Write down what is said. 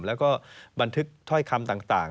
แล้วก็บันทึกถ้อยคำต่าง